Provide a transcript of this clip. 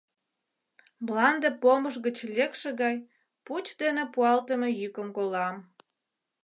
Мланде помыш гыч лекше гай пуч дене пуалтыме йӱкым колам.